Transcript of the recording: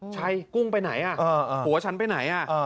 ชัยกุ้งไปไหนผัวฉันไปไหน